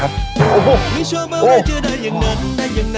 กินเพลียให้หมดสวนไปเลยนะ